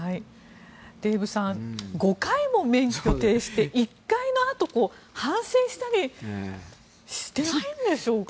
デーブさん５回も免許停止で１回のあと反省したりしてないんでしょうかね。